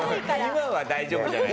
今は大丈夫じゃない？